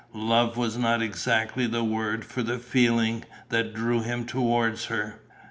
Love was not exactly the word for the feeling that drew him towards her.